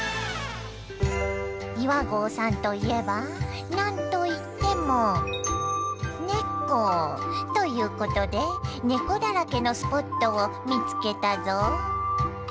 岩合さんといえば何と言ってもネコ。ということでネコだらけのスポットを見つけたぞ。